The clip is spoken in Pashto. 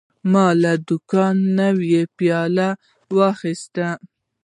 ما له دوکانه نوی پیاله واخیسته.